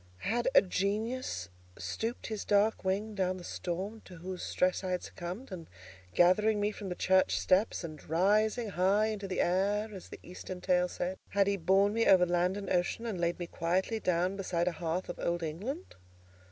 Had a Genius stooped his dark wing down the storm to whose stress I had succumbed, and gathering me from the church steps, and "rising high into the air," as the eastern tale said, had he borne me over land and ocean, and laid me quietly down beside a hearth of Old England?